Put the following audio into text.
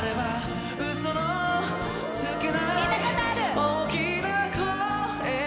聴いたことある！